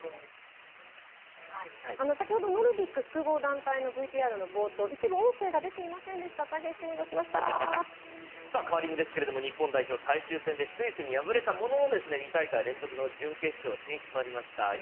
先ほどノルディック複合団体のＶＴＲの冒頭、一部音声が出ていませんでしたカーリングですけど日本女子最終戦でスイスに敗れたものの２大会連続の準決勝進出となりました。